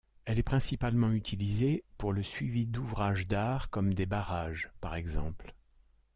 Elle est principalement utilisée pour le suivi d'ouvrage d'art, comme des barrages par exemple.